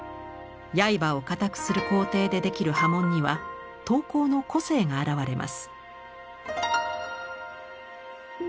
刃を硬くする工程で出来る刃文には刀工の個性が表れます。